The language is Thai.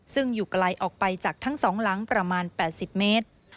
ซึ่งอยู่ไกลออกไปจากทั้ง๒หลังประมาณ๘๐เมตร